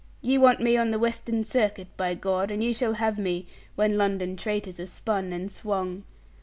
Ye want me on the Western Circuit; by God, and ye shall have me, when London traitors are spun and swung.